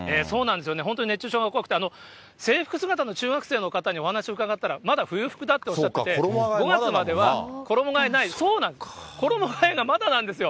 本当に熱中症が怖くて、制服姿の中学生の方にお話を伺ったら、まだ冬服だとおっしゃってて、５月までは衣替えない、衣替えがまだなんですよ。